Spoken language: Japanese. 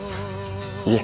いえ。